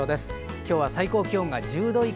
今日は最高気温が１０度以下。